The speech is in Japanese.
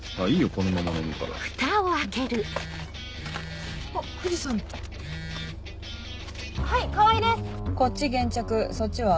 こっち現着そっちは？